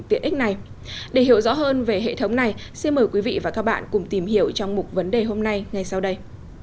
tiện ích này để hiểu rõ hơn về hệ thống này xin mời quý vị và các bạn cùng tìm hiểu trong mục vấn đề hôm nay ngay sau đây